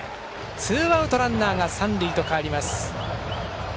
ツーアウト、ランナー、三塁と変わります。